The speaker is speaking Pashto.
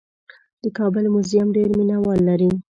د کابل موزیم ډېر مینه وال لري.